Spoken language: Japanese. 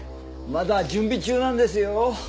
まだ準備中なんですよ。